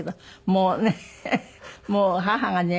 もうねもう母がね